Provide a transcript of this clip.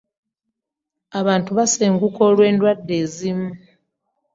Abantu basenguka olw'endwadde ezimu.